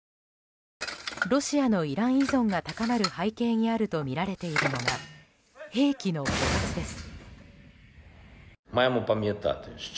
ロシアのイラン依存が高まる背景にあるとみられているのが兵器の枯渇です。